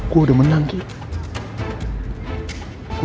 gue udah menang gim